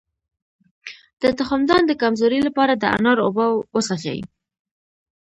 د تخمدان د کمزوری لپاره د انار اوبه وڅښئ